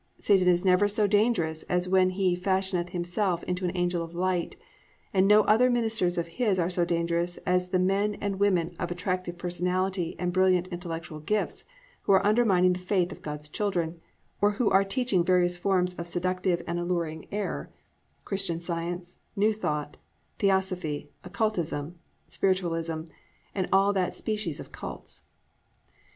Satan is never so dangerous as when he "Fashioneth himself into an angel of light," and no other ministers of his are so dangerous as the men and women of attractive personality and brilliant intellectual gifts who are undermining the faith of God's children, or who are teaching various forms of seductive and alluring error, "Christian Science," "New Thought," "Theosophy," "Occultism" (Spiritualism), and all that species of cults.